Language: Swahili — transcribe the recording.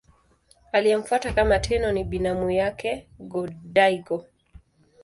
Aliyemfuata kama Tenno ni binamu yake Go-Daigo.